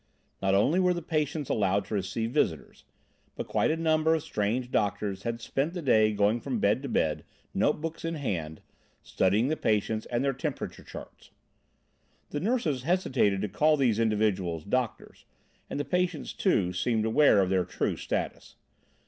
Not only were the patients allowed to receive visitors, but quite a number of strange doctors had spent the day going from bed to bed, note books in hand, studying the patients and their temperature charts. The nurses hesitated to call these individuals doctors, and the patients, too, seemed aware of their true status.